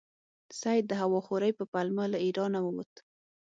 سید د هوا خورۍ په پلمه له ایرانه ووت.